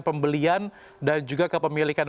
pembelian dan juga kepemilikan